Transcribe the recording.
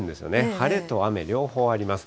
晴れと雨、両方あります。